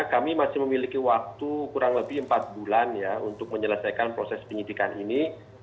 kami masih memiliki waktu kurang lebih empat bulan ya untuk menyelesaikan proses penyidikan ini